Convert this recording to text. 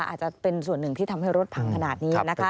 อาจจะเป็นส่วนหนึ่งที่ทำให้รถพังขนาดนี้นะคะ